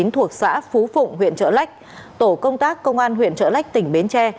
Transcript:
thuộc xã phú phụng huyện trợ lách tổ công tác công an huyện trợ lách tỉnh bến tre